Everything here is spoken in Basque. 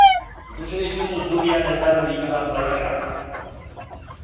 Ikusi dituzu zubian ezarri ditudan flyerrak?